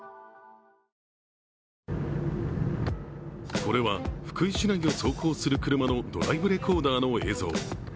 これは福井市内を走行する車のドライブレコーダーの映像。